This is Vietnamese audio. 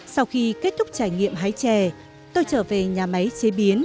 sau khi kết thúc trải nghiệm hái chè tôi trở về nhà máy chế biến